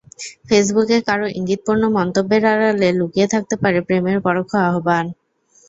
ফেসবুকে কারও ইঙ্গিতপূর্ণ মন্তব্যের আড়ালে লুকিয়ে থাকতে পারে প্রেমের পরোক্ষ আহ্বান।